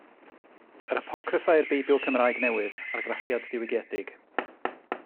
Yr Apocryffa i'r Beibl Cymraeg Newydd, argraffiad diwygiedig.